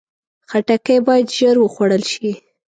خټکی باید ژر وخوړل شي.